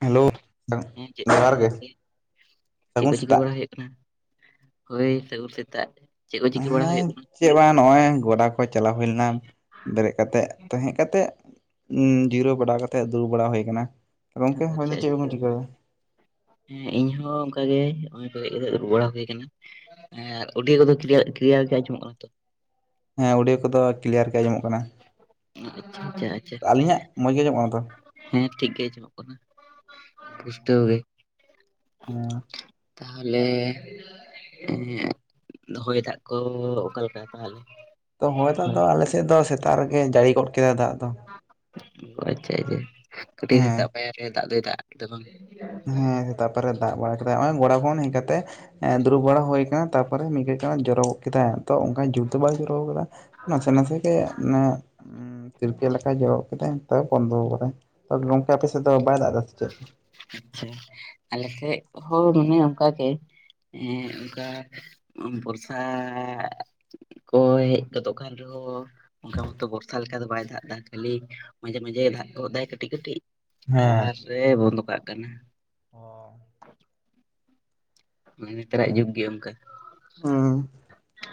Hello ᱦᱮᱸ ᱪᱮᱫ ᱡᱚᱦᱟᱨ ᱜᱮ ᱪᱮᱫ ᱥᱟᱹᱜᱩᱱ ᱠᱚ ᱪᱤᱠᱤ ᱥᱮᱛᱟᱜ ᱵᱟᱲᱟᱭ ᱦᱩᱭᱩᱜᱼᱼ ᱦᱳᱭ ᱥᱟ. ᱜᱩᱱ ᱥᱮᱛᱟᱜ ᱪᱮᱫ ᱠᱚ ᱪᱤᱠᱟᱹ ᱵᱟᱲᱟ ᱦᱮᱸ ᱦᱩᱭᱩᱜ ᱠᱟᱱᱟ? ᱪᱮᱫ ᱵᱟᱝ ᱱᱚᱜᱼᱚᱭ ᱜᱚᱰᱟ ᱠᱚ ᱪᱟᱞᱟᱣ ᱦᱩᱭ ᱞᱮᱱᱟ ᱵᱮᱨᱮᱫ ᱠᱟᱛᱮᱫ ᱛᱚ ᱦᱮᱡ ᱠᱟᱛᱮᱫ ᱩᱸ ᱡᱤᱨᱟᱹᱣ ᱵᱟᱲᱟ ᱠᱟᱛᱮᱜ ᱫᱲᱩᱵ ᱵᱟᱲᱟ ᱦᱩᱭ ᱠᱟᱱᱟ᱾ ᱟᱪᱪᱷᱟ, ᱟᱪᱪᱷᱟ ᱦᱮᱸ ᱤᱧᱦᱚᱸ ᱚᱱᱠᱟᱜ ᱜᱮ ᱦᱮᱡ ᱠᱟᱛᱮᱜ ᱫᱩᱲᱩᱵ ᱵᱟᱲᱟ ᱦᱩᱭ ᱠᱟᱱᱟ᱾ ᱮᱸ ᱚᱰᱤᱭᱳ ᱠᱚᱫᱚ ᱠᱞᱤᱭᱟᱨ ᱜᱮ ᱟᱸᱡᱚᱢᱚᱜ ᱠᱟᱱᱟ ᱛᱚ? ᱦᱮᱸ ᱚᱰᱤᱭᱳ ᱠᱚᱫᱚ ᱠᱞᱤᱭᱟᱨ ᱜᱮ ᱟᱸᱡᱚᱢᱚᱜ ᱠᱟᱱᱟ ᱟᱪᱪᱷᱟ ᱟᱪᱪᱷᱟ ᱟᱪᱪᱷᱟ ᱟᱹᱞᱤᱧᱟᱜ ᱢᱚᱡᱽ ᱜᱮ ᱟᱸᱡᱚᱢᱚᱜ ᱠᱟᱱᱟ ᱛᱚ? ᱦᱮᱸ ᱴᱷᱤᱠ ᱜᱮ ᱟᱸᱡᱚᱢᱚᱜ ᱠᱟᱱᱟ ᱯᱩᱥᱴᱟᱹᱣ ᱜᱮ ᱦᱮᱸ ᱛᱟᱦᱚᱞᱮᱼᱼ ᱮᱸ ᱦᱚᱭ ᱫᱟᱜ ᱠᱚ ᱚᱠᱟᱞᱮᱠᱟ ᱛᱟᱦᱚᱞᱮ? ᱛᱚ ᱦᱚᱭ ᱟᱫᱜ ᱦᱳᱭ ᱫᱚ ᱟᱞᱮᱥᱮᱫ ᱫᱚ ᱥᱮᱛᱟᱜ ᱨᱮᱜᱮ ᱡᱟᱹᱲᱤ ᱜᱚᱫ ᱠᱮᱫᱟ ᱫᱟᱜ ᱫᱚ᱾ ᱟᱪᱪᱷᱟ ᱟᱪᱪᱷᱟ ᱠᱟᱹᱴᱤᱡ ᱦᱮᱸ ᱥᱮᱛᱟᱜ ᱯᱟᱭᱟᱨ ᱨᱮ ᱫᱟᱜ ᱫᱚᱭ ᱫᱟᱜ ᱠᱮᱫᱟ ᱵᱟᱝᱼᱼ ᱦᱮᱸ ᱛᱟᱯᱚᱨᱮ ᱫᱟᱜ ᱵᱟᱲᱟ ᱠᱮᱫᱟᱭ ᱦᱚᱸᱜᱚᱭ ᱜᱚᱲᱟ ᱠᱷᱚᱱ ᱦᱮᱡ ᱠᱟᱛᱮᱜ ᱫᱩᱲᱩᱵ ᱵᱟᱲᱟ ᱦᱩᱭ ᱠᱟᱱᱟ ᱛᱟᱯᱚᱨᱮ ᱢᱤᱫ ᱜᱷᱟᱲᱤᱡᱼᱼ ᱡᱚᱨᱚ ᱜᱚᱫ ᱠᱮᱫᱟᱭ ᱛᱚ ᱚᱱᱠᱟ ᱡᱩᱨ ᱫᱚ ᱵᱟᱭ ᱡᱚᱨᱚ ᱠᱟᱫᱟ ᱱᱟᱥᱮ ᱱᱟᱥᱮ ᱜᱮ ᱢᱟᱱᱮ ᱛᱤᱨᱯᱤᱭᱮᱫ ᱞᱮᱠᱟᱭ ᱡᱚᱨᱚ ᱠᱮᱫᱟᱭ ᱛᱚᱵᱮ ᱵᱚᱱᱫᱚ ᱠᱟᱫᱟᱭ ᱛᱚᱵᱮ ᱜᱚᱝᱠᱮ ᱟᱯᱮ ᱥᱮᱫ ᱫᱚ ᱵᱟᱭ ᱫᱟᱜ ᱫᱟ ᱥᱮ ᱪᱮᱫ ᱟᱪᱪᱷᱟ ᱟᱞᱮ ᱥᱮᱫ ᱦᱚᱸ ᱢᱚᱱᱮ ᱚᱱᱠᱟ ᱜᱮ ᱚᱱᱠᱟᱼᱼ ᱵᱚᱨᱥᱟᱻ ᱠᱚ ᱦᱮᱡ ᱜᱚᱫᱚᱜ ᱠᱟᱱ ᱨᱮᱦᱚᱸ ᱚᱱᱠᱟ ᱢᱚᱛᱚ ᱵᱚᱨᱥᱟ ᱞᱮᱠᱟ ᱫᱚ ᱵᱟᱭ ᱫᱟᱜ ᱮᱫᱟ ᱠᱷᱟᱹᱞᱤ ᱢᱟᱡᱷᱮ ᱢᱟᱡᱷᱮ ᱫᱟᱜ ᱜᱚᱫ ᱫᱟᱭ ᱠᱟᱹᱴᱤᱡ ᱠᱟᱹᱴᱤᱡ ᱟᱨ ᱮ ᱵᱚᱱᱫᱚ ᱠᱟᱜ ᱠᱟᱱᱟ᱾ ᱚᱻ ᱢᱟᱱᱮ ᱱᱮᱛᱟᱨᱟᱜ ᱡᱩᱜᱽ ᱜᱮ ᱚᱱᱠᱟ᱾ ᱦᱮᱸ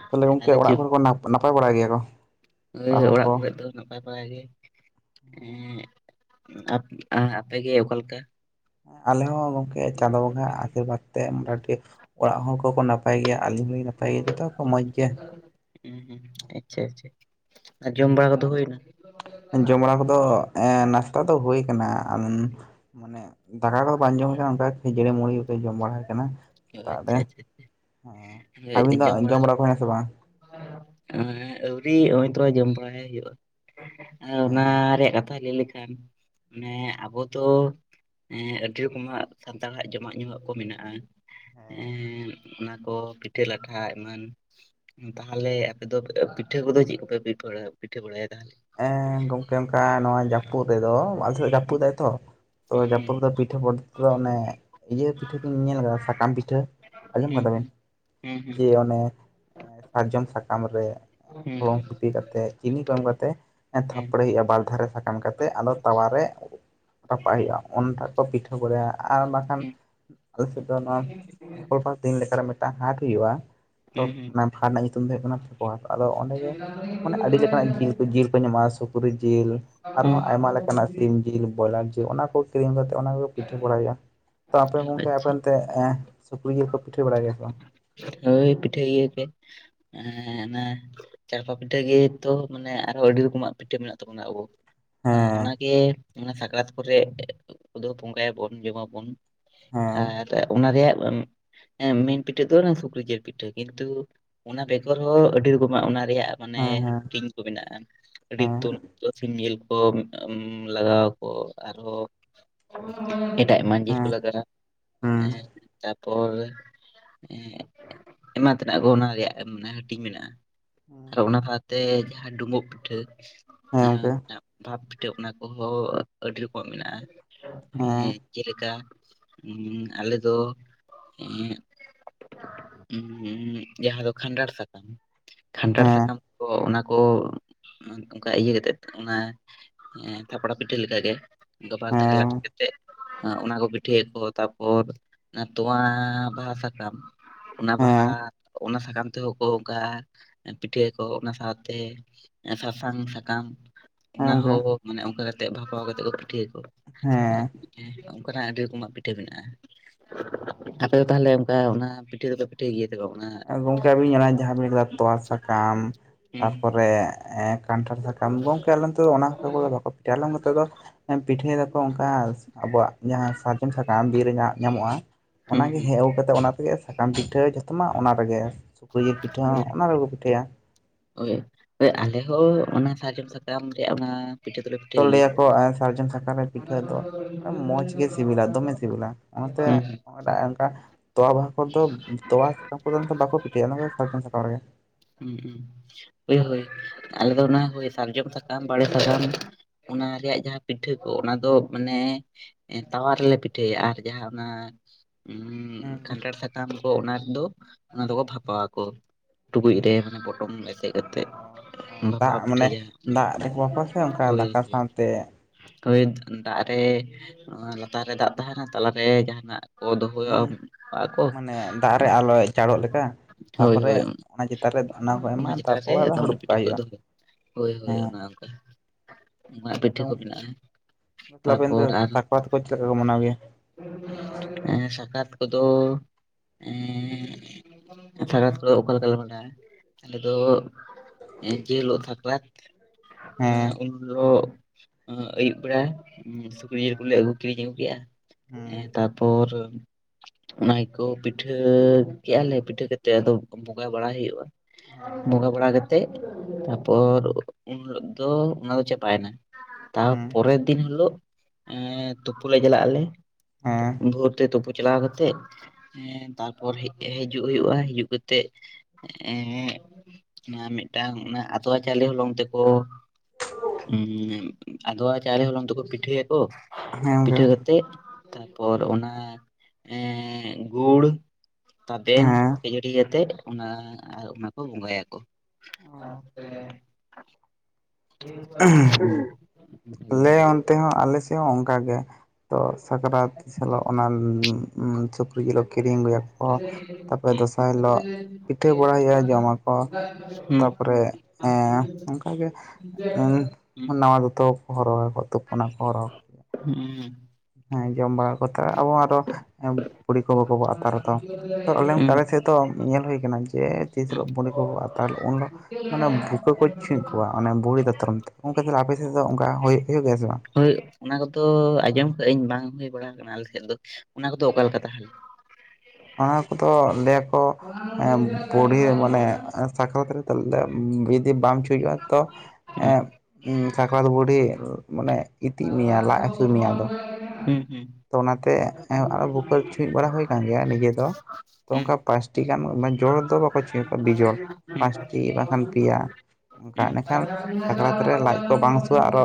ᱛᱟᱦᱞᱮ ᱜᱚᱝᱠᱮ ᱚᱲᱟᱜ ᱠᱚᱨᱮ ᱠᱚ ᱱᱟᱯᱟᱭ ᱵᱟᱲᱟ ᱜᱮᱭᱟ ᱠᱚ? ᱦᱮᱸ ᱦᱚᱲ ᱚᱲᱟᱜ ᱠᱚ ᱠᱚᱨᱮ ᱫᱚᱼᱼ ᱱᱟᱯᱟᱭ ᱵᱟᱲᱟ ᱜᱮ ᱟᱯᱮᱜᱮ ᱚᱠᱟᱞᱮᱠᱟ? ᱟᱞᱮ ᱦᱚᱸ ᱜᱚᱝᱠᱮ ᱪᱟᱸᱫᱳ ᱵᱚᱸᱜᱟ ᱟᱜ ᱟᱥᱤᱨᱵᱟᱫᱽ ᱛᱮ ᱢᱳᱚᱴᱟᱩᱴᱤ ᱚᱲᱟᱜ ᱦᱚᱲ ᱠᱚᱠᱚ ᱱᱟᱼᱼ ᱱᱟᱯᱟᱭ ᱜᱮᱭᱟ ᱟᱹᱞᱤᱧ ᱦᱚᱸᱞᱤᱧ ᱱᱟᱯᱟᱭ ᱜᱮᱭᱟ ᱡᱚᱛᱚ ᱠᱚ ᱢᱚᱡᱽ ᱜᱮᱭᱟ᱾ ᱦᱩᱸ ᱟᱪᱪᱷᱟ ᱟᱪᱪᱷᱟ ᱟᱨ ᱡᱚᱢ ᱵᱟᱲᱟ ᱠᱚᱫᱚ ᱦᱩᱭᱮᱱᱟ? ᱡᱚᱢ ᱵᱟᱲᱟ ᱠᱚᱫᱚ ᱮᱸ ᱱᱟᱥᱛᱟ ᱫᱚ ᱦᱩᱭ ᱠᱟᱱᱟ ᱢᱟᱱᱮ ᱫᱟᱠᱟ ᱠᱚᱫᱚ ᱵᱟᱝ ᱡᱚᱢ ᱦᱳᱭ ᱠᱟᱱᱟ ᱚᱱᱠᱟ ᱠᱷᱟ. ᱡᱟᱹᱲᱤ ᱢᱩᱲᱤ ᱠᱚᱜᱮ ᱡᱚᱢ ᱵᱟᱲᱟ ᱦᱳᱭ ᱠᱟᱱᱟ ᱥᱮᱛᱟᱜ ᱟᱪᱪᱷᱟ ᱨᱮ ᱟᱪᱪᱷᱟ ᱦᱮᱸ ᱟᱹᱵᱤᱱᱟᱜ ᱡᱚᱢ ᱵᱟᱲᱟ ᱠᱚ ᱦᱩᱭᱱᱟ ᱥᱮ ᱵᱟᱝ? ᱩᱸᱜ ᱟᱹᱣᱨᱤ ᱱᱚᱜᱼᱚᱭ ᱛᱚ ᱡᱚᱢ ᱵᱟᱲᱟᱭ ᱦᱩᱭᱩᱜᱼᱟ। ᱚᱱᱟ ᱦᱮᱸ ᱨᱮᱭᱟᱜ ᱠᱟᱛᱷᱟ ᱞᱟᱹᱭ ᱞᱮᱠᱷᱟᱱ ᱢᱟᱱᱮ ᱟᱵᱚ ᱫᱚ ᱟᱹᱰᱤ ᱨᱚᱠᱚᱢᱟᱜ ᱥᱟᱱᱛᱟᱲᱟᱜ ᱡᱚᱢᱟᱜ ᱧᱩᱣᱟᱜ ᱠᱚ ᱢᱮᱱᱟᱜᱼᱟ। ᱮᱸᱜ ᱚᱱᱟ ᱠᱚ ᱯᱤᱴᱷᱟᱹ ᱞᱟᱴᱷᱟ ᱮᱢᱟᱱ ᱛᱟᱞᱦᱮ ᱟᱯᱮ ᱫᱚ ᱯᱤᱴᱷᱟᱹ ᱠᱚᱫᱚ ᱪᱮᱫ ᱠᱚᱯᱮ ᱯᱤᱴᱷᱟᱹ ᱯᱤᱴᱷᱟᱹ ᱵᱟᱲᱟᱭᱟ ᱛᱟᱞᱦᱮ? ᱮ ᱜᱚᱝᱠᱮ ᱚᱱᱠᱟ ᱱᱚᱣᱟ ᱡᱟᱹᱯᱩᱫ ᱨᱮᱫᱚ ᱟᱞᱮᱥᱮᱫ ᱡᱟᱹᱯᱩᱫᱟᱭ ᱛᱚ ᱡᱟᱹᱯᱩᱫ ᱨᱮᱫᱚ ᱯᱤᱼᱼ ᱚᱱᱮ ᱤᱭᱟᱹ ᱯᱤᱴᱷᱟᱹ ᱵᱤᱱ ᱧᱮᱞ ᱠᱟᱫᱟ ᱥᱟᱠᱟᱢ ᱯᱤᱴᱷᱟᱹ ᱟᱸᱡᱚᱢ ᱠᱟᱫᱟᱵᱤᱱ? ᱦᱩᱸ ᱦᱩᱸ ᱦᱩᱸ। ᱥᱟᱨᱡᱚᱢ ᱥᱟᱠᱟᱢ ᱨᱮ ᱦᱚᱞᱚᱝ ᱥᱤᱯᱤ ᱠᱟᱛᱮᱫ ᱪᱤᱱᱤ ᱠᱚ ᱮᱢ ᱠᱟᱛᱮ ᱮᱸ ᱛᱷᱟᱯᱲᱮ ᱦᱳᱭᱳᱜᱼᱟ ᱵᱟᱨ ᱫᱷᱟᱨᱮ ᱥᱟᱠᱟᱢ ᱠᱟᱛᱮᱜ ᱟᱫᱚ ᱛᱟᱣᱟᱨᱮ ᱨᱟᱯᱟᱜ ᱦᱩᱭᱩᱜᱼᱟ ᱚᱱᱟ ᱠᱚ ᱯᱤᱴᱷᱟᱹ ᱠᱚᱭᱟ ᱟᱨ ᱵᱟᱝᱠᱷᱟᱱ ᱟᱞᱮᱥᱮᱫ ᱫᱚ ᱱᱚᱣᱟ ᱫᱤᱱ ᱞᱮᱠᱟᱨᱮ ᱦᱟᱴ ᱦᱩᱭᱩᱜ-ᱟ ᱛᱚ ᱚᱱᱟ ᱵᱷᱟᱴ ᱨᱮᱱᱟᱜ ᱧᱩᱛᱩᱢ ᱫᱚ ᱦᱩᱭᱩᱜ ᱠᱟᱱᱟ ᱯᱚᱴ ᱟᱫᱚ ᱚᱸᱰᱮ ᱜᱮ ᱢᱟᱱᱮ ᱟᱹᱰᱤ ᱞᱮᱠᱟᱱᱟᱜ ᱡᱤᱞ ᱠᱚ ᱡᱤᱞ ᱠᱚ ᱧᱟᱢᱚᱜᱼᱟ ᱥᱩᱠᱨᱤ ᱡᱤᱞ ᱟᱨᱦᱚᱸ ᱟᱭᱢᱟ ᱞᱮᱠᱟᱱᱟᱜ ᱥᱤᱢ ᱡᱤᱞ ᱵᱚᱭᱞᱟᱨ ᱡᱤᱞ ᱚᱱᱟ ᱠᱚ ᱠᱤᱨᱤᱧ ᱠᱟᱛᱮᱫ ᱚᱱᱟ ᱠᱚᱜᱮ ᱯᱤᱴᱷᱟᱹ ᱵᱟᱲᱟᱭ ᱦᱳᱭᱳᱜ-ᱟ ᱛᱚ ᱟᱯᱮ ᱜᱚᱝᱠᱮ ᱟᱪᱪᱷᱟ ᱟᱯᱮ ᱚᱱᱛᱮ ᱮᱸ ᱥᱩᱠᱨᱤ ᱡᱤᱞ ᱠᱚ ᱯᱤᱴᱷᱟᱹ ᱵᱟᱲᱟᱭ ᱜᱮᱭᱟ ᱥᱮ ᱵᱟᱝ? ᱦᱳᱭ ᱯᱤᱴᱷᱟᱹ ᱤᱭᱟᱹ ᱛᱮ ᱮᱸ ᱚᱱᱮ ᱪᱟᱲᱯᱟ ᱯᱤᱴᱷᱟᱹ ᱜᱮᱛᱚ ᱢᱟᱱᱮ ᱟᱨᱚ ᱟᱹᱰᱤ ᱨᱚᱠᱚᱢᱟᱜ ᱯᱤᱴᱷᱟᱹ ᱢᱮᱱᱟᱜ ᱛᱟᱵᱚᱱᱟ ᱟᱵᱚ। ᱚ ᱦᱮᱸ ᱚᱱᱟᱜᱮ ᱚᱱᱟ ᱥᱟᱠᱨᱟᱛ ᱠᱚᱨᱮ ᱫᱚ ᱵᱚᱸᱜᱟᱭᱟᱵᱚᱱ ᱡᱚᱢᱟᱵᱚᱱ। ᱦᱮᱸ ᱟᱨ ᱚᱱᱟ ᱨᱮᱭᱟᱜ ᱢᱮᱱ ᱯᱤᱴᱷᱟᱹ ᱫᱚ ᱥᱩᱠᱨᱤ ᱡᱤᱞ ᱯᱤᱴᱷᱟᱹ ᱠᱤᱱᱛᱩ ᱚᱱᱟ ᱵᱮᱜᱚᱨ ᱦᱚᱸ ᱟᱹᱰᱤ ᱨᱚᱠᱚᱢᱟᱜ ᱚᱱᱟ ᱨᱮᱭᱟᱜ ᱢᱟᱱᱮ ᱦᱮᱸ ᱦᱮᱸ ᱦᱟᱴᱤᱧ ᱠᱚ ᱢᱮᱱᱟᱜ-ᱟ ᱟᱹᱰᱤ ᱦᱮᱸ ᱛᱩᱱ ᱛᱚ ᱥᱤᱢ ᱡᱮᱞ ᱠᱚ ᱞᱟᱜᱟᱣ ᱟᱠᱚ ᱟᱨᱦᱚ ᱮᱴᱟᱜ ᱮᱢᱟ ᱡᱤᱞ ᱠᱚ ᱦᱮᱸ ᱞᱟᱜᱟᱜ-ᱟ ᱦᱩᱸ ᱦᱮᱸ ᱛᱟᱨᱯᱚᱨ ᱮᱸᱜ ᱮᱢᱟ ᱛᱮᱱᱟᱜ ᱠᱚ ᱚᱱᱟ ᱨᱮᱭᱟᱜ ᱦᱟᱹᱴᱤᱧ ᱢᱮᱱᱟᱜ-ᱟ ᱟᱨᱚ ᱚᱱᱟ ᱥᱟᱶᱛᱮ ᱡᱟᱦᱟᱸ ᱰᱩᱢᱵᱩᱜ ᱯᱤᱴᱷᱟᱹ ᱦᱮᱸ ᱜᱚᱝᱠᱮ ᱟᱸ ᱵᱷᱟᱵᱽ ᱯᱤᱴᱷᱟᱹ ᱚᱱᱟ ᱠᱚᱦᱚᱸ ᱟᱹᱰᱤ ᱨᱚᱠᱚᱢᱟᱜ ᱢᱮᱱᱟᱜ-ᱟ ᱦᱮᱸ ᱮᱸ ᱡᱮᱞᱮᱠᱟ ᱦᱩᱸ ᱟᱞᱮ ᱫᱚ ᱮᱸᱜ ᱩᱸᱜᱻ ᱡᱟᱦᱟᱸ ᱫᱚ ᱠᱷᱟᱱᱴᱷᱟᱲ ᱥᱟᱠᱟᱢ ᱠᱷᱟᱱᱴᱷᱟᱲ ᱦᱮᱸ ᱥᱟᱠᱟᱢ ᱠᱚ ᱚᱱᱟ ᱠᱚ ᱚᱱᱠᱟ ᱤᱭᱟᱹ ᱠᱟᱛᱮᱜ ᱚᱱᱟ ᱮᱸ ᱛᱷᱟᱯᱲᱟ ᱯᱤᱴᱷᱟᱹ ᱞᱮᱠᱟᱜᱮ ᱵᱟᱨ ᱫᱷᱟᱨᱮ ᱦᱮᱸ ᱞᱟᱜᱟ ᱟᱸ ᱚᱱᱟ ᱠᱚ ᱯᱤᱴᱷᱟᱹᱭᱟ ᱠᱚ ᱛᱟᱨᱯᱚᱨ ᱚᱱᱟ ᱛᱚᱣᱟ ᱵᱟᱦᱟ ᱥᱟᱠᱟᱢ ᱚᱱᱟ ᱵᱟᱦᱟ ᱦᱮᱸ ᱚᱱᱟ ᱥᱟᱠᱟᱢ ᱛᱮᱦᱚᱸ ᱠᱚ ᱚᱱᱠᱟ ᱯᱤᱴᱷᱟᱹᱭᱟ ᱠᱚ ᱚᱱᱟ ᱥᱟᱶᱛᱮ ᱮᱸ ᱥᱟᱥᱟᱝ ᱥᱟᱠᱟᱢ ᱦᱮᱸ ᱚᱱᱟ ᱜᱚᱝᱠᱮ ᱦᱚᱸ ᱢᱟᱱᱮ ᱚᱱᱠᱟ ᱠᱟᱛᱮᱜ ᱵᱷᱟᱯᱟᱣ ᱠᱟᱛᱮᱫ ᱠᱚ ᱯᱤᱴᱷᱟᱹᱭᱟ ᱠᱚ ᱦᱮᱸ ᱦᱮᱸ ᱚᱱᱠᱟᱱᱟᱜ ᱟᱹᱰᱤ ᱨᱚᱠᱚᱢᱟᱜ ᱯᱤᱴᱷᱟᱹ ᱢᱮᱱᱟᱜ-ᱟ ᱟᱯᱮ ᱫᱚ ᱛᱟᱦᱚᱞᱮ ᱚᱱᱠᱟ ᱚᱱᱟ ᱯᱤᱴᱷᱟᱹ ᱫᱚᱯᱮ ᱴᱷᱤᱠ ᱤᱭᱟᱹ ᱛᱮᱠᱚ ᱠᱟᱱᱟ ᱜᱚᱝᱠᱮ ᱟᱵᱤᱱ ᱚᱱᱟ ᱡᱟᱦᱟᱸ ᱵᱤᱱ ᱞᱟᱹᱭ ᱠᱮᱫᱟ ᱛᱚᱣᱟ ᱥᱟᱠᱟᱢ ᱦᱩᱸ ᱛᱟᱨᱯᱚᱨᱮ ᱠᱟᱱᱴᱷᱟᱲ ᱥᱟᱠᱟᱢ ᱜᱚᱝᱠᱮ ᱟᱞᱮ ᱫᱚ ᱚᱱᱟᱠᱚ ᱵᱟᱠᱚ ᱯᱤᱴᱷᱟᱹᱭᱟ ᱟᱞᱮ ᱱᱚᱛᱮ ᱫᱚ ᱯᱤᱴᱷᱟᱹᱭ ᱫᱟᱠᱚ ᱚᱱᱠᱟ ᱟᱵᱚᱣᱟᱜ ᱡᱟᱦᱟᱸ ᱥᱟᱨᱡᱚᱢ ᱥᱟᱠᱟᱢ ᱵᱤᱨ ᱨᱮᱱᱟᱜ ᱧᱟᱢᱚᱜ-ᱟ ᱦᱩᱸ ᱚᱱᱟᱜᱮ ᱦᱮᱡ ᱦᱩᱸ ᱟᱹᱜᱩ ᱠᱟᱛᱮᱜ ᱚᱱᱟ ᱛᱮᱜᱮ ᱥᱟᱠᱟᱢ ᱯᱤᱴᱷᱟᱹ ᱡᱚᱛᱚ ᱢᱟ ᱚᱱᱟᱨᱮᱜᱮ ᱥᱩᱠᱨᱤ ᱡᱤᱞ ᱯᱤᱴᱷᱟᱹ ᱦᱚᱸ ᱚᱱᱟ ᱨᱮ ᱠᱚ ᱯᱤᱴᱷᱟᱹᱭᱟ। ᱳᱭ ᱟᱞᱮ ᱦᱚᱸ ᱚᱱᱟ ᱥᱟᱨᱡᱚᱢ ᱥᱟᱠᱟᱢ ᱨᱮᱭᱟᱜ ᱚᱱᱟ ᱯᱤᱴᱷᱟᱹ ᱫᱚᱞᱮ ᱠᱚ ᱯᱤᱴᱷᱟᱹᱭ ᱜᱮᱭᱟ᱾ ᱞᱟᱹᱭᱟᱠᱚ ᱟᱨ ᱥᱟᱨᱡᱚᱢ ᱥᱟᱠᱟᱢ ᱨᱮ ᱯᱤᱴᱷᱟᱹ ᱫᱚ ᱢᱚᱸᱡᱽ ᱜᱮ ᱥᱤᱵᱤᱞᱟ ᱫᱚᱢᱮ ᱥᱤᱵᱤᱞᱟ ᱾ ᱦᱩᱸᱻ ᱱᱚᱣᱟ ᱴᱟᱜ ᱚᱱᱠᱟ ᱛᱳᱣᱟ ᱵᱟᱦᱟ ᱠᱚᱫᱚ ᱛᱚᱣᱟ ᱥᱟᱠᱟᱢ ᱫᱚ ᱵᱟᱠᱚ ᱯᱤᱴᱷᱟᱹᱭᱟ ᱥᱟᱨᱡᱚᱢ ᱥᱟᱠᱟᱢ ᱨᱮᱜᱮ ᱾ ᱦᱩᱸ ᱦᱩᱸ ᱦᱚᱭ ᱦᱚᱭ ᱟᱞᱮ ᱫᱚ ᱚᱱᱟ ᱦᱚᱭ ᱥᱟᱨᱡᱚᱢ ᱥᱟᱠᱟᱢ ᱵᱟᱲᱮ ᱥᱟᱠᱟᱢ ᱚᱱᱟ ᱨᱮᱭᱟᱜ ᱡᱟᱦᱟᱸ ᱯᱤᱴᱷᱟᱹ ᱠᱚ ᱚᱱᱟ ᱫᱚ ᱢᱟᱱᱮ ᱮᱻ ᱛᱟᱣᱟ ᱨᱮᱞᱮ ᱯᱤᱴᱷᱟᱹᱭᱟ ᱟᱨ ᱡᱟᱦᱟᱸ ᱚᱱᱟ ᱠᱷᱟᱱᱴᱟᱲ ᱥᱟᱠᱟᱢ ᱠᱚ ᱚᱱᱟ ᱨᱮᱫᱚ ᱚᱱᱟ ᱫᱚᱠᱚ ᱵᱷᱟᱯᱟᱣᱟᱠᱚ ᱴᱩᱠᱩᱡ ᱨᱮ ᱢᱟᱱᱮ ᱯᱚᱴᱚᱢ ᱮᱥᱮᱫ ᱠᱟᱛᱮᱫ ᱾ ᱦᱚᱸ ᱫᱟᱜ ᱢᱟᱱᱮ ᱫᱟᱜ ᱨᱮᱦᱚᱸ [unintelligible] ᱥᱮ ᱚᱱᱠᱟ ᱫᱟᱠᱟ ᱥᱟᱶᱛᱮ ᱳᱭ ᱫᱟᱜ ᱨᱮ ᱞᱟᱛᱟᱨ ᱨᱮ ᱫᱟᱜ ᱛᱟᱦᱮᱱᱟ ᱛᱟᱞᱟᱨᱮ ᱡᱟᱦᱟᱱᱟᱜ ᱠᱚ ᱫᱚᱦᱚᱭᱟ ᱦᱩᱸ ᱠᱟᱜᱼᱟ ᱠᱚ ᱢᱟᱱᱮ ᱫᱟᱜ ᱨᱮ ᱟᱞᱚᱭ ᱪᱟᱲᱚᱜ ᱞᱮᱠᱟ ᱾ ᱦᱳᱭ ᱛᱟᱨᱯᱚᱨᱮ ᱦᱳᱭ ᱚᱱᱟ ᱪᱮᱛᱟᱱ ᱨᱮ ᱚᱱᱟ ᱠᱚ ᱮᱢᱟ ᱛᱟᱨᱯᱚᱨ ᱟᱫᱚ ᱦᱟᱹᱲᱩᱵ ᱠᱟᱜ ᱯᱤᱴᱷᱟᱹ ᱠᱚ ᱦᱩᱭᱩᱜ-ᱟ ᱾ ᱫᱚᱦᱚᱭᱟ ᱦᱚᱭ ᱦᱚᱭ ᱚᱱᱟ ᱚᱱᱠᱟ ᱾ [unintelligible] ᱯᱤᱴᱷᱟᱹ ᱠᱚ ᱢᱮᱱᱟᱜ-ᱟ ᱟᱵᱮᱱ ᱫᱚ ᱛᱟᱨᱯᱚᱨ ᱟᱨ ᱥᱟᱠᱨᱟᱛ ᱠᱚ ᱪᱮᱫ ᱞᱮᱠᱟ ᱠᱚ ᱢᱟᱱᱟᱣ ᱜᱮᱭᱟ ᱮᱸᱻ ᱥᱟᱠᱨᱟᱛ ᱠᱚᱫᱚ ᱮᱸᱻ ᱥᱟᱠᱨᱟᱛ ᱠᱚᱫᱚ ᱚᱠᱟ ᱞᱮᱠᱟ ᱯᱮ ᱵᱮᱱᱟᱭ-ᱟ ᱾ ᱟᱞᱮ ᱫᱚ ᱡᱮᱞᱚᱜ ᱥᱟᱠᱨᱟᱛ ᱾ ᱦᱮᱸ ᱮᱸᱻ ᱩᱱᱫᱚ ᱮᱸ ᱟᱹᱭᱩᱵ ᱵᱮᱲᱟ ᱥᱩᱠᱨᱤ ᱡᱤᱞ ᱦᱮᱸ ᱠᱚᱞᱮ ᱟᱹᱜᱩ ᱠᱤᱨᱤᱧ ᱟᱹᱜᱩ ᱠᱮᱜᱼᱟ ᱦᱮᱸ ᱮᱸ ᱛᱟᱯᱚᱨ ᱚᱱᱟ ᱜᱮᱠᱚ ᱯᱤᱴᱷᱟᱹ ᱠᱮᱜᱼᱟ ᱞᱮ ᱯᱤᱴᱷᱟᱹ ᱠᱟᱛᱮᱫ ᱟᱫᱚ ᱵᱚᱸᱜᱟ ᱵᱟᱲᱟᱭ ᱦᱩᱭᱩᱜᱼᱟ ᱾ ᱵᱚᱸᱜᱟ ᱵᱟᱲᱟ ᱠᱟᱛᱮᱫ ᱛᱟᱯᱚᱨ ᱩᱱ ᱦᱤᱞᱚᱜ ᱫᱚ ᱚᱱᱟ ᱫᱚ ᱪᱟᱵᱟᱭᱮᱱᱟ ᱾ ᱦᱮᱸ ᱦᱮᱸ ᱛᱟᱨᱯᱚᱨᱮᱨ ᱫᱤᱱ ᱦᱤᱞᱚᱜ ᱮᱸᱻ ᱛᱩᱯᱩ ᱞᱮ ᱪᱟᱞᱟᱜ ᱟᱞᱮ ᱦᱮᱸ ᱾ ᱵᱷᱳᱨ ᱛᱮ ᱛᱩᱯᱩ ᱪᱟᱞᱟᱣ ᱠᱟ ᱛᱮᱫ ᱦᱮᱸ ᱛᱟᱨᱯᱚᱨ ᱦᱤᱡᱩᱜ ᱦᱩᱭᱩᱜᱼᱟ ᱦᱤᱡᱩᱜ ᱠᱟᱛᱮᱜ ᱮᱸ ᱚᱱᱟ ᱢᱤᱫᱴᱟᱹᱝ ᱚᱱᱟ ᱟᱫᱣᱟ ᱪᱟᱣᱞᱮ ᱦᱚᱞᱚᱝ ᱛᱮᱠᱚ ᱩᱸᱢ ᱟᱫᱣᱟ ᱪᱟᱣᱞᱮ ᱦᱚᱞᱚᱝ ᱛᱮᱠᱚ ᱯᱤᱴᱷᱟᱹᱭᱟᱠᱚ ᱦᱮᱸ ᱾ ᱯᱤᱴᱷᱟᱹ ᱦᱮᱸ ᱦᱮᱸ ᱠᱟᱛᱮᱫ ᱛᱟᱯᱚᱨ ᱚᱱᱟ ᱮᱸ ᱜᱩᱲ ᱛᱟᱵᱮᱱ ᱠᱷᱟᱹᱡᱟᱹᱲᱤ ᱟᱛᱮᱜ ᱚᱱᱟ ᱟᱨ ᱚᱱᱟ ᱠᱚ ᱵᱚᱸᱜᱟᱭᱟᱠᱚ [inaudible] ᱚ [inaudible] ᱟᱞᱮ ᱞᱟᱹᱭ ᱚᱱᱛᱮ ᱦᱚᱸ ᱟᱞᱮ ᱥᱮᱜ ᱦᱚᱸ ᱚᱱᱠᱟ ᱜᱮ ᱾ ᱛᱚ ᱥᱟᱠᱨᱟᱛ ᱦᱤᱞᱚᱜ ᱚᱱᱟ ᱢᱟ ᱥᱩᱠᱨᱤ ᱡᱤᱞ ᱠᱚ ᱠᱤᱨᱤᱧ ᱞᱟᱹᱜᱟᱹᱱ ᱾ ᱚᱻ ᱦᱳᱭ ᱟᱨ ᱫᱚᱥᱟᱨ ᱦᱤᱞᱚᱜ ᱯᱤᱴᱷᱟᱹ ᱵᱟᱲᱟᱭ ᱦᱩᱭᱩᱜᱼᱟ ᱾ ᱡᱚᱢᱟᱠᱚ ᱛᱟᱯᱚᱨᱮ ᱦᱮᱸᱻ ᱚᱱᱠᱟ ᱜᱮ ᱮᱸᱻ ᱱᱟᱣᱟ ᱫᱚᱛᱚ ᱠᱚ ᱦᱚᱨᱚᱜ ᱟᱠᱚ ᱛᱩᱯᱚᱱᱟᱠᱚ ᱦᱚᱨᱚᱜ ᱩᱸᱻ ᱦᱮᱸ ᱡᱚᱢ ᱵᱟᱲᱟ ᱠᱚ ᱛᱮ ᱟᱵᱚ ᱟᱨᱦᱚᱸ ᱵᱩᱲᱤ ᱠᱚ ᱵᱚ ᱟᱛᱟᱨ ᱟᱛᱚ ᱾ [inaudible] ᱛᱚ ᱩᱱᱠᱩ ᱧᱮᱞ ᱦᱩᱭ ᱟᱠᱟᱱᱟ ᱡᱮ ᱛᱤᱥ ᱦᱤᱞᱚᱜ ᱵᱩᱞᱤ ᱠᱚ ᱵᱚ ᱟᱛᱟᱨ ᱩᱱ ᱦᱤᱞᱚᱜ ᱢᱟᱱᱮ ᱵᱷᱩᱠᱟᱹ ᱠᱚ ᱪᱷᱩᱡ ᱠᱚᱣᱟ ᱚᱱᱮ ᱵᱩᱲᱤ ᱫᱟᱛᱨᱚᱢ ᱛᱮ ᱚᱱᱠᱟ [unintelligible] ᱟᱯᱮᱥᱮᱫ ᱫᱚ ᱚᱱᱠᱟ ᱦᱩᱭᱩᱜ ᱦᱩᱭᱩᱜ ᱜᱮᱭᱟ ᱥᱮ ᱵᱟᱝ? ᱦᱚᱭ ᱚᱱᱟ ᱠᱚᱫᱚ ᱟᱸᱡᱚᱢ ᱠᱟᱜ-ᱟᱹᱧ ᱵᱟᱝ ᱦᱩᱭ ᱵᱟᱲᱟ ᱟᱠᱟᱱᱟ ᱟᱞᱮ ᱥᱮᱫ ᱫᱚ ᱚᱱᱟ ᱠᱚᱫᱚ ᱚᱠᱟ ᱞᱮᱠᱟ ᱛᱟᱦᱚᱞᱮ ᱚᱱᱟ ᱠᱚᱫᱚ ᱞᱟᱹᱭ ᱟᱠᱚ ᱦᱩᱸ ᱮᱸᱻ ᱵᱩᱰᱤ ᱢᱟᱱᱮ ᱥᱟᱠᱨᱟᱛ ᱨᱮ ᱛᱚ [inaudible] ᱵᱟᱢ [unintelligible] ᱦᱩᱭᱩᱜᱼᱟ ᱛᱚ ᱮᱸ ᱩᱸ ᱥᱟᱠᱨᱟᱛ ᱵᱩᱰᱦᱤ ᱢᱟᱱᱮ ᱤᱛᱤᱜ ᱢᱮᱭᱟ ᱞᱟᱡ ᱦᱟᱹᱥᱩ ᱢᱮᱭᱟ ᱟᱫᱚ ᱾ ᱦᱩᱸ ᱦᱩᱸ ᱚᱱᱟᱛᱮ ᱟᱨᱚ [inaudible] ᱪᱷᱩᱸᱡ ᱵᱟᱲᱟ ᱦᱩᱭ ᱟᱠᱟᱱ ᱜᱮᱭᱟ ᱱᱤᱡᱮ ᱫᱚ ᱛᱚ ᱚᱱᱠᱟ᱾ ᱯᱟᱸᱪᱴᱤ ᱜᱟᱱ ᱢᱟᱱᱮ ᱡᱚ ᱫᱚ ᱵᱟᱠᱚ ᱪᱷᱩᱡ [inaudible] ᱚᱱᱠᱟ ᱤᱱᱟᱹᱠᱷᱟᱱ [inaudible] ᱥᱟᱠᱨᱟᱛ ᱨᱮ ᱞᱟᱡ ᱠᱚ ᱵᱟᱝ ᱦᱟᱹᱥᱩᱣᱟ ᱟᱪᱪᱷᱟ ᱟᱨᱚ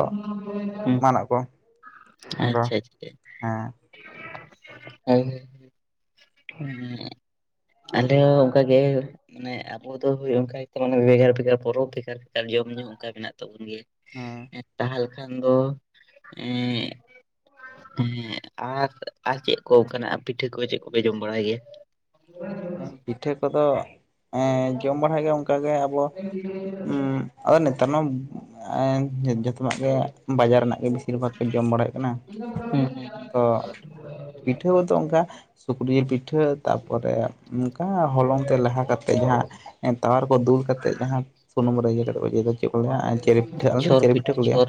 ᱮᱢᱟᱱᱟᱜ ᱠᱚ ᱚᱱᱠᱟ [inaudible] ᱦᱮᱸ [inaudible] [inaudible] ᱟᱞᱮ ᱦᱚᱸ ᱚᱱᱠᱟ ᱜᱮᱼᱼ ᱢᱟᱱᱮ ᱟᱵᱚ ᱫᱚ ᱦᱳᱭ ᱚᱱᱠᱟ ᱜᱮᱛᱚ ᱢᱟᱱᱮ ᱵᱷᱮᱜᱟᱨ ᱵᱷᱮᱜᱟᱨ ᱯᱚᱨᱚᱵᱽ ᱵᱷᱮᱜᱟᱨ ᱵᱷᱮᱜᱟᱨ ᱡᱚᱢ ᱧᱩ ᱚᱱᱠᱟ ᱢᱮᱱᱟᱜ ᱛᱟᱵᱚᱱ ᱜᱮᱭᱟ᱾ ᱦᱮᱸ ᱛᱟᱦᱟᱞ ᱠᱷᱟᱱ ᱫᱚ ᱮᱸᱜᱼᱼ ᱮᱸᱜ ᱟᱨ ᱟᱨ ᱪᱮᱫ ᱠᱚ ᱚᱱᱠᱟᱱᱟᱜ ᱯᱤᱴᱷᱟᱹ ᱠᱚ ᱪᱮᱫ ᱠᱚᱯᱮ ᱡᱚᱢ ᱵᱟᱲᱟᱭ ᱜᱮᱭᱟ᱾ ᱦᱮᱸ ᱯᱤᱴᱷᱟᱹ ᱠᱚᱫᱚ ᱮᱸ ᱡᱚᱢ ᱵᱟᱲᱟ ᱦᱳᱭᱳᱜ ᱜᱮᱭᱟ ᱚᱱᱠᱟ ᱜᱮᱼᱼ ᱦᱩᱸ [inaudible] ᱩᱸ ᱟᱫᱚ ᱱᱮᱮᱛᱟᱨᱱᱟᱢ ᱮᱸ ᱡᱚᱛᱚᱣᱟᱜ ᱜᱮ ᱵᱟᱡᱟᱨ ᱨᱮᱱᱟᱜ ᱜᱮ ᱵᱤ ᱵᱮᱥᱤᱨ ᱵᱷᱟᱜᱽ ᱠᱚ ᱡᱚᱢ ᱵᱟᱲᱟᱭᱮᱫ ᱠᱟᱱᱟ ᱦᱩᱸ ᱦᱩᱸ ᱛᱚ ᱯᱤᱴᱷᱟᱹ ᱦᱚᱸᱛᱚ ᱚᱝᱠᱟ᱾ ᱥᱩᱠᱨᱩ ᱡᱤᱞ ᱯᱤᱴᱷᱟᱹ ᱛᱟᱨᱯᱚᱨᱮ ᱚᱱᱠᱟ ᱦᱚᱞᱚᱝ ᱛᱮ ᱞᱮᱦᱟ ᱠᱟᱛᱮᱫ ᱡᱟᱦᱟᱸ᱾ ᱮᱸ ᱛᱟᱣᱟ ᱨᱮᱠᱚ ᱫᱩᱞ ᱠᱟᱛᱮᱜ ᱡᱟᱦᱟᱸ ᱥᱩᱱᱩᱢ ᱨᱮ ᱤᱭᱟᱹ ᱠᱟᱛᱮ ᱠᱚ ᱤᱭᱟᱹᱭ ᱫᱚ ᱪᱮᱜ ᱠᱚ ᱞᱟᱹᱭᱟ ᱪᱮᱨᱮ ᱪᱷᱚᱨ ᱯᱤᱴᱷᱟᱹ [inaudible] ᱯᱤᱴ ᱯᱤᱴᱷᱟᱹ ᱠᱚ ᱞᱟᱹᱭᱟ᱾ ᱪᱷᱚᱨ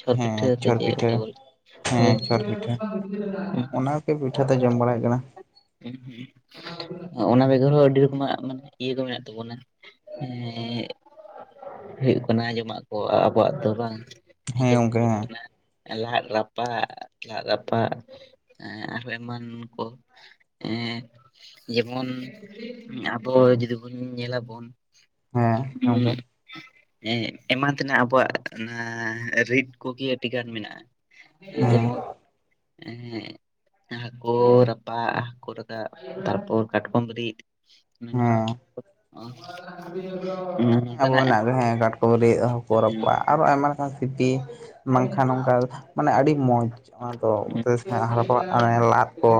ᱪᱷᱚᱨ ᱯᱤᱴᱷᱟᱹ ᱦᱮᱸ ᱥᱮ ᱪᱷᱚᱨ ᱪᱮᱫ ᱯᱤᱴᱷᱟᱹ ᱦᱳᱭ ᱦᱮᱸ ᱪᱷᱚᱨ ᱯᱤᱴᱷᱟᱹ ᱚᱱᱟ᱾ ᱯᱤᱴᱷᱟᱹ ᱛᱚ ᱡᱚᱢ ᱵᱟᱲᱟ [inaudible] ᱠᱟᱱᱟ ᱦᱩᱸ ᱦᱤᱸ ᱚᱱᱟ ᱵᱮᱜᱚᱨ ᱦᱚᱸ ᱟᱹᱰᱤ ᱨᱚᱠᱚᱢᱟᱜ ᱢᱟᱱᱮ ᱤᱭᱟᱹ ᱠᱚ ᱢᱮᱱᱟᱜ ᱛᱟᱵᱚᱱᱟ᱾ ᱦᱮᱸ ᱦᱮᱸ [inaudible] ᱚᱱᱟ ᱡᱚᱢᱟᱜ ᱠᱚ ᱟᱨ ᱟᱵᱚᱣᱟᱜ ᱫᱚ ᱵᱟᱝᱼᱼ ᱦᱮᱸ ᱜᱚᱝᱠᱮ ᱦᱮᱸ ᱞᱟᱫ ᱨᱟᱯᱟᱜ ᱞᱟᱫ ᱨᱟᱯᱟᱜ ᱟᱨᱦᱚᱸ ᱮᱢᱟᱱ ᱠᱚ᱾ ᱮᱸ ᱡᱮᱢᱚᱱ ᱟᱵᱚ ᱡᱩᱫᱤ ᱵᱚᱱ ᱧᱮᱞᱟᱵᱚᱱᱼᱼ ᱦᱮᱸ [inaudible] ᱦᱮᱸ ᱮᱢᱟᱱ ᱛᱮᱱᱟᱜ ᱟᱵᱚᱣᱟᱜ ᱚᱱᱟ ᱨᱤᱫ ᱠᱚᱜᱮ ᱟᱹᱰᱤ ᱜᱟᱱ ᱢᱮᱱᱟᱜᱼᱟ᱾ ᱦᱮᱸ ᱡᱮᱢᱚᱱ ᱦᱮᱸ ᱦᱟᱹᱠᱩ ᱨᱟᱯᱟᱜᱼᱼ ᱦᱟᱠᱩ ᱨᱟᱠᱟᱵ ᱛᱟᱨᱯᱚᱨ ᱠᱟᱴᱠᱚᱢ ᱨᱤᱫ ᱢᱟᱱᱮ ᱱᱚᱣᱟ ᱦᱮᱸ ᱠᱚᱼᱼ ᱦᱩᱸ ᱟᱵᱚ ᱱᱚᱝᱠᱟᱱᱟᱜᱼᱼ ᱢᱮᱱᱟᱜ ᱦᱮᱸ ᱠᱟᱴᱠᱚᱢᱟ ᱨᱤᱫ ᱦᱟᱠᱩ ᱨᱟᱯᱟᱜ ᱟᱨᱚ ᱟᱭᱢᱟ ᱞᱮᱠᱟᱱ ᱥᱤᱯᱤ ᱵᱟᱝᱠᱷᱟᱱ ᱚᱱᱠᱟ᱾ ᱢᱟᱱᱮ ᱟᱹᱰᱤ ᱢᱚᱡᱽ ᱚᱱᱟᱫᱚ [unintelligible] ᱦᱟᱨᱟᱯᱟᱜ ᱞᱟᱫ ᱠᱚ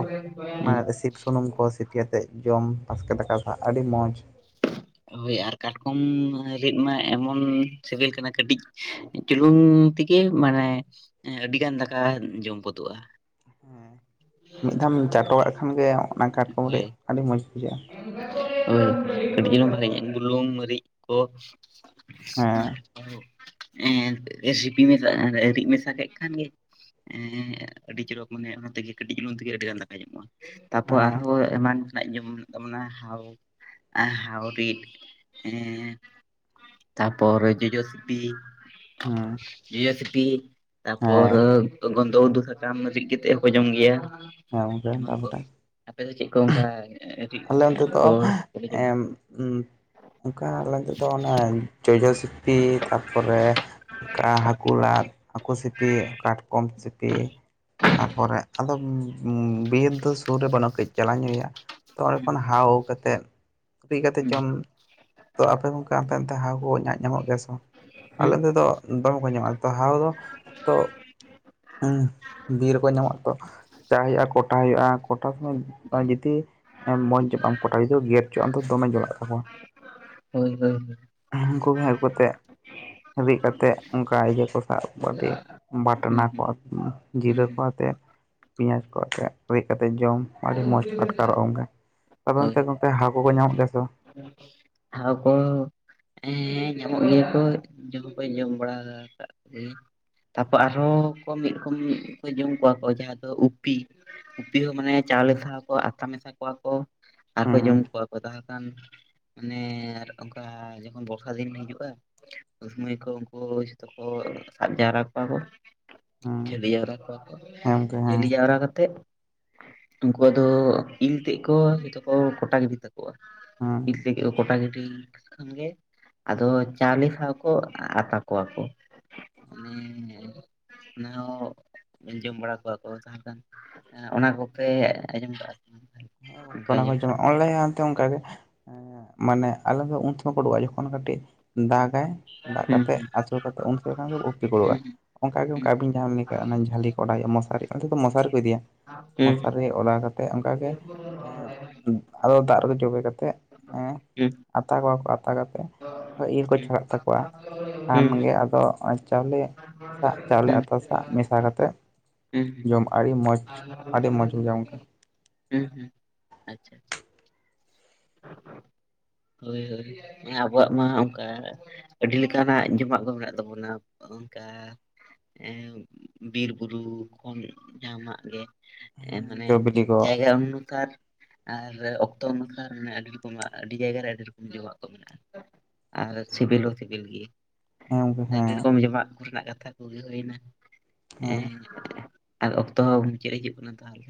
ᱢᱟᱱᱮ ᱥᱩᱱᱩᱢ ᱠᱚ ᱥᱤᱯᱤ ᱠᱟᱛᱮᱫ ᱡᱚᱢ ᱵᱟᱥᱠᱮ ᱫᱟᱠᱟ ᱥᱟᱜ ᱟᱹᱰᱤ ᱢᱚᱡᱽᱼᱼ ᱦᱳᱭ ᱟᱨ ᱠᱟᱴᱠᱚᱢ ᱨᱤᱫ ᱢᱟ ᱮᱢᱚᱱ ᱥᱮᱵᱮᱞ ᱠᱟᱱᱟ ᱠᱟᱹᱴᱤᱡ ᱪᱩᱞᱩᱝ ᱛᱮᱜᱮ ᱢᱟᱱᱮ ᱟᱹᱰᱤᱜᱟᱱ ᱫᱟᱠᱟ ᱡᱚᱢ ᱜᱚᱫᱚᱜᱼᱟ᱾ ᱦᱮᱸ ᱢᱤᱫ ᱫᱷᱟᱣᱮᱢ ᱪᱟᱴᱚᱜ-ᱟᱜ ᱠᱷᱟᱱ ᱜᱮ ᱚᱱᱟ ᱠᱟᱴᱠᱚᱢ ᱦᱳᱭ ᱨᱤᱫᱽ ᱟᱹᱰᱤ ᱢᱚᱸᱡᱽ ᱵᱩᱡᱷᱟᱹᱜᱼᱟ᱾ ᱦᱳᱭ ᱠᱟᱴᱤᱡ ᱪᱩᱞᱩᱝ ᱵᱷᱟᱞᱮᱧᱚᱜ ᱵᱩᱞᱩᱝ ᱢᱟᱹᱨᱤᱪ ᱠᱚᱼᱼ ᱦᱮᱸ ᱦᱮ ᱦᱮᱸ ᱥᱤᱯᱤ ᱢᱮᱥᱟ ᱨᱤᱫ ᱢᱮᱥᱟ ᱠᱮᱫ ᱠᱷᱟᱱ ᱜᱮᱼᱼ ᱦᱮᱸ ᱟᱹᱰᱤ ᱪᱚᱨᱚᱠ ᱢᱟᱱᱮ ᱚᱱᱟ ᱛᱮᱜᱮ ᱠᱟᱹᱴᱤᱡ ᱡᱩᱞᱩᱝ ᱛᱮᱜᱮ ᱟᱹᱰᱤ ᱜᱟᱱ ᱫᱟᱠᱟᱭ ᱧᱟᱢᱚᱜᱼᱟ᱾ ᱛᱟᱯᱚᱨ ᱦᱮᱸ ᱟᱨᱦᱚᱸ ᱮᱢᱟᱱᱟᱜ ᱡᱚᱢᱼᱧᱩᱼᱼ [inaudible] ᱢᱟᱱᱮ ᱦᱟᱣ ᱮᱸ ᱦᱟᱣᱨᱤᱴ ᱮᱸᱻ ᱛᱟᱯᱚᱨ ᱡᱚᱡᱚ ᱥᱤᱯᱤ ᱦᱮᱸ ᱡᱚᱡᱚ ᱥᱤᱯᱤ ᱛᱟᱨᱯᱚᱨ ᱦᱮᱸ ᱜᱚᱱᱫᱷᱚ ᱩᱛᱩ ᱥᱟᱠᱟᱢ ᱨᱤᱫ ᱠᱟᱛᱮᱜ ᱦᱚᱸᱠᱚ ᱡᱚᱢ ᱜᱮᱭᱟ᱾ ᱦᱮᱸ ᱜᱚᱝᱠᱮ ᱮᱢᱚᱱ ᱠᱚ ᱛᱟᱯᱚᱨᱮ ᱟᱯᱮ ᱫᱚ ᱪᱮᱫ ᱠᱚ ᱚᱱᱠᱟ ᱟᱞᱮ ᱚᱱᱚᱛᱮ ᱫᱚ ᱠᱚ ᱠᱚᱯᱮ ᱮ ᱡᱚᱢᱟ ᱚᱱᱠᱟ ᱟᱞᱮ ᱛᱮᱫᱚ ᱚᱱᱮ ᱡᱚᱡᱚ ᱥᱤᱯᱤ ᱛᱟᱨᱯᱚᱨᱮ ᱚᱱᱠᱟ ᱦᱟᱠᱩ ᱞᱟᱫ ᱦᱟᱹᱠᱩ ᱥᱤᱯᱤ ᱠᱟᱴᱠᱚᱢ ᱥᱤᱯᱤ ᱛᱟᱯᱚᱨᱮ ᱟᱫᱚ ᱵᱤᱨ ᱫᱚ ᱥᱩᱨ ᱨᱮ ᱵᱟᱹᱱᱩᱜ ᱠᱟᱹᱡ ᱪᱟᱞᱟᱣ ᱧᱚᱜ ᱦᱩᱭᱩᱜᱟ᱾ ᱛᱚ ᱚᱸᱰᱮ ᱦᱩᱸ ᱠᱷᱚᱱ ᱦᱟᱣ ᱟᱹᱜᱩ ᱠᱟᱛᱮ, ᱥᱤᱯᱤ ᱠᱟᱛᱮ ᱡᱚᱢ ᱛᱚ ᱟᱯᱮ ᱜᱚᱝᱠᱮ ᱦᱟᱱᱛᱮ ᱱᱟᱱᱛᱮ ᱦᱟᱣᱟ ᱠᱚ ᱧᱟᱜ ᱧᱟᱢᱚᱜ ᱜᱮᱭᱟ ᱥᱮ ᱵᱟᱝ ᱟᱞᱮ ᱱᱚᱛᱮ ᱫᱚ᱾ ᱫᱚᱢᱮ ᱠᱚ ᱧᱟᱢᱚᱜᱼᱟ ᱛᱚ ᱦᱟᱣ ᱫᱚ ᱛᱚ ᱦᱩᱸ ᱵᱤᱨ ᱨᱮᱠᱚ ᱧᱟᱢᱚᱜᱼᱟ ᱛᱚ᱾ ᱪᱟᱜ ᱦᱩᱭᱩᱜᱼᱟ ᱠᱚᱴᱟ ᱦᱩᱭᱩᱜᱼᱟ ᱠᱚᱴᱟ ᱥᱚᱢᱚᱭ ᱡᱩᱫᱤ ᱢᱚᱡᱽ ᱧᱚᱜ ᱵᱟᱢ ᱠᱚᱴᱟ ᱡᱩᱫᱟᱹ ᱜᱮᱨ ᱦᱚᱪᱚᱜᱟᱢ ᱛᱚ ᱫᱚᱢᱮ ᱡᱚᱞᱟᱜ ᱛᱟᱠᱚᱣᱟ᱾ ᱦᱩᱸ ᱦᱩᱸ ᱩᱱᱠᱩ ᱜᱮ ᱦᱟᱸᱜ ᱟᱹᱜᱩ ᱠᱟᱛᱮᱫ ᱨᱤᱫ ᱠᱟᱛᱮᱫ ᱚᱱᱠᱟ ᱤᱭᱟᱹ ᱠᱚ ᱥᱟᱵ ᱦᱳᱭ ᱠᱟᱴᱤᱡ ᱦᱳᱭ ᱦᱩᱸ ᱵᱟᱴᱱᱟ ᱠᱚ ᱦᱩᱸ ᱦᱩᱸ ᱡᱤᱨᱟᱹ ᱠᱚ ᱟᱛᱮᱫ ᱯᱮᱸᱭᱟᱡᱽ ᱠᱚ ᱟᱛᱮᱫ ᱨᱤᱫ ᱠᱟᱛᱮᱫ ᱡᱚᱢ ᱟᱹᱰᱤ ᱢᱚᱸᱡᱽ ᱜᱮᱠᱚ ᱦᱩᱸ ᱟᱴᱠᱟᱨᱚᱜᱼᱟ ᱜᱚᱢᱠᱮ, ᱟᱯᱮ ᱚᱱᱛᱮ ᱦᱟᱶ ᱠᱚᱠᱟ ᱧᱟᱢᱚᱜ ᱜᱮᱭᱟ ᱥᱮ ᱵᱟᱝ? ᱦᱟᱶ ᱠᱚ ᱦᱮᱸ ᱧᱟᱢᱚᱜ ᱜᱮᱭᱟ ᱠᱚ, ᱡᱚᱢ ᱠᱟᱧ ᱡᱚᱢ ᱵᱟᱲᱟ ᱠᱟᱫ ᱠᱚᱭᱟᱧ᱾ ᱛᱟᱯᱚᱨ ᱟᱨᱦᱚᱸ ᱠᱚ ᱢᱤᱫ ᱨᱚᱠᱚᱢ ᱠᱚ ᱡᱚᱢ ᱠᱚᱣᱟ ᱠᱚ ᱡᱟᱦᱟᱸ ᱫᱚ ᱩᱯᱤ᱾ ᱩᱯᱤ ᱦᱚᱸ ᱢᱟᱱᱮ ᱪᱟᱣᱞᱮ ᱥᱟᱶ ᱠᱚ ᱟᱛᱟ ᱢᱮᱥᱟ ᱠᱚᱣᱟ ᱠᱚ, ᱟᱨᱠᱚ ᱦᱩᱸ ᱡᱚᱢ ᱠᱚᱣᱟ ᱠᱚ ᱛᱟᱦᱮᱞᱮ ᱠᱷᱟᱱ ᱢᱟᱱᱮ ᱟᱨ ᱚᱱᱠᱟ ᱡᱚᱠᱷᱚᱱ ᱵᱚᱨᱥᱟ ᱫᱤᱱ ᱦᱤᱡᱩᱜᱼᱟ ᱩᱱ ᱥᱚᱢᱟᱹᱭ ᱠᱚ ᱩᱱᱠᱩ ᱠᱚ ᱥᱟᱵ ᱡᱟᱣᱨᱟ ᱠᱚᱣᱟ ᱠᱚ, ᱦᱩᱸ ᱡᱷᱟᱹᱞᱤᱭ ᱡᱟᱣᱨᱟ ᱠᱚᱣᱟ ᱠᱚ᱾ ᱦᱮᱸ ᱜᱚᱝᱠᱮ ᱦᱮᱸ ᱡᱟᱹᱞᱤ ᱡᱟᱶᱨᱟ ᱠᱟᱛᱮᱫ ᱩᱱᱠᱩᱣᱟᱜ ᱫᱚ ᱤᱞ ᱛᱮᱫ ᱠᱚ ᱡᱷᱚᱛᱚ ᱠᱚ ᱠᱚᱴᱟ ᱜᱤᱰᱤ ᱛᱟᱠᱚᱣᱟ᱾ ᱦᱮᱸ ᱤᱞ ᱛᱮᱫ ᱠᱚ ᱠᱚᱴᱟ‌ ᱜᱤᱰᱤ ᱠᱷᱟᱱ ᱜᱮ ᱟᱫᱚ ᱪᱟᱣᱞᱮ ᱥᱟᱶ ᱠᱚ ᱟᱛᱟ ᱠᱚᱣᱟ ᱠᱚ᱾ ᱢᱟᱱᱮ [inaudible] ᱚᱱᱟ ᱦᱚᱸ ᱡᱚᱢ ᱵᱟᱲᱟ ᱠᱚᱣᱟ ᱠᱚ ᱛᱟᱦᱞᱮ ᱠᱷᱟᱱ ᱚᱱᱟ ᱠᱚ᱾ ᱯᱮ ᱟᱸᱡᱚᱢ ᱠᱟᱜ-ᱟ᱾ ᱦᱮᱸ ᱜᱚᱝᱠᱮ ᱠᱷᱚᱡ ᱚᱱᱟ ᱞᱟ. ᱭᱟᱢ᱾ ᱚᱱᱠᱟᱜ ᱜᱮ ᱮ ᱢᱟᱱᱮ ᱟᱞᱮ ᱫᱚ ᱩᱱ ᱛᱮᱢᱟ ᱩᱰᱩᱜ-ᱟ ᱡᱚᱠᱷᱚᱱ ᱠᱟᱹᱴᱤᱡ ᱫᱟᱜᱟᱭ ᱫᱟᱜ ᱦᱩᱸ ᱠᱟᱛᱮᱫ ᱟᱥᱳᱲ ᱠᱟᱛᱮᱫ ᱩᱱᱥᱩᱢᱚᱭ ᱠᱷᱟᱱ ᱜᱮ ᱩᱯᱤ ᱠᱚ ᱳᱰᱳᱜᱼᱟ᱾ ᱦᱩᱸ ᱚᱱᱠᱟ ᱜᱮ ᱚᱱᱠᱟ ᱦᱩᱸ ᱟᱵᱤᱱ ᱡᱟᱦᱟᱸ ᱞᱮᱠᱟ ᱚᱱᱟ ᱡᱟᱹᱞᱤ ᱠᱚ ᱚᱰᱟᱣ ᱦᱩᱭᱩᱜᱟ ᱢᱚᱥᱟᱨᱤ᱾ ᱟᱫᱚ ᱫᱚ ᱢᱚᱥᱟᱨᱤ ᱠᱚ ᱤᱫᱤᱭᱟ ᱦᱩᱸ ᱢᱚᱥᱟᱨᱤ ᱚᱰᱟᱣ ᱠᱟᱛᱮᱜ ᱚᱱᱠᱟᱜ ᱜᱮ ᱦᱩᱸ ᱮᱸ ᱦᱩᱸ ᱟᱫᱚ ᱫᱟᱜ ᱨᱮ ᱡᱚᱵᱮ ᱠᱟᱛᱮ ᱛᱮᱫ ᱮᱜ ᱦᱩᱸ ᱟᱛᱟ ᱠᱚᱣᱟ ᱠᱚ ᱟᱛᱟ ᱠᱟᱛᱮᱜ ᱦᱩᱸ ᱤᱞ ᱠᱚ ᱦᱩᱸ ᱪᱷᱟᱲᱟᱜ ᱛᱟᱠᱚᱣᱟ᱾ ᱠᱷᱟᱱ ᱜᱮ ᱟᱫᱚ ᱪᱟᱣᱞᱮ ᱟᱛᱟ ᱪᱟᱣᱞᱮ ᱦᱩᱸ ᱟ ᱛᱟᱥᱟᱜ ᱢᱮᱥᱟ ᱠᱟᱛᱮᱫ ᱡᱚᱢ ᱟᱹᱰᱤ ᱢᱚᱡᱽ ᱟᱹᱰᱤ ᱢᱚᱡᱽ ᱵᱩᱡᱷᱟᱜ-ᱟ ᱜᱚᱢᱠᱮ᱾ ᱦᱩᱸ ᱦᱩᱸ ᱟᱪᱪᱷᱟ ᱟᱪᱪᱷᱟ [inaudible] ᱦᱳᱭ ᱦᱳᱭ ᱟᱵᱚᱣᱟᱜ ᱢᱟ ᱚᱱᱠᱟ ᱟᱹᱰᱤ ᱞᱮᱠᱟᱱᱟᱜ ᱡᱚᱢᱟᱜ ᱠᱚ ᱢᱮᱱᱟᱜ ᱛᱟᱵᱚᱱᱟ ᱚᱱᱠᱟ ᱮ ᱵᱤᱨᱼᱵᱩᱨᱩ ᱠᱷᱚᱱ ᱡᱟᱦᱟᱱᱟᱜ ᱜᱮ ᱢᱟᱱᱮ ᱡᱚ ᱵᱤᱞᱤ ᱠᱚ ᱡᱟᱭᱜᱟ ᱩᱱᱥᱟᱨ ᱟᱨ ᱚᱠᱛᱚ ᱩᱱᱩ ᱢᱟᱱᱮ ᱟᱹᱰᱤ ᱨᱚᱠᱚᱢᱟᱜ ᱟᱹᱰᱤ ᱡᱟᱭᱜᱟ ᱨᱮ ᱟᱹᱰᱤ ᱨᱚᱠᱚᱢ ᱡᱚᱢᱟᱜ ᱠᱚ ᱢᱮᱱᱟᱜᱼᱟ᱾ ᱟᱨ ᱥᱤᱵᱤᱞ ᱦᱚᱸ ᱥᱤᱵᱤᱞ ᱜᱮᱭᱟ᱾ ᱦᱮᱸ ᱜᱚᱢᱠᱮ ᱦᱮᱸ ᱟᱹᱰᱤ ᱨᱚᱠᱚᱢ ᱡᱚᱢᱟᱜ ᱠᱚᱨᱮᱱᱟᱜ ᱠᱟᱛᱷᱟ ᱠᱚᱜᱮ ᱦᱩᱭᱱᱟ ᱦᱮᱸ ᱮᱸ ᱟᱨ ᱚᱠᱛᱚ ᱦᱚᱸ ᱢᱩᱪᱟᱹᱫ ᱦᱤᱡᱩᱜ ᱠᱟᱱᱟ ᱛᱟᱦᱚᱞᱮ